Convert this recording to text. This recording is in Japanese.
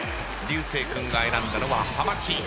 流星君が選んだのははまち。